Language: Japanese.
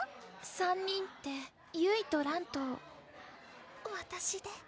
３人ってゆいとらんとわたしで？